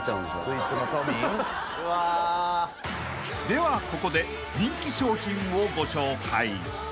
ではここで人気商品をご紹介］